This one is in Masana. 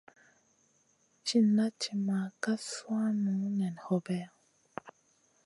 Cina timma ka suanu nen hobeya.